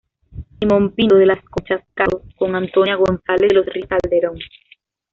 Simón Pinto de las Conchas casó con Antonia González de los Ríos Calderón.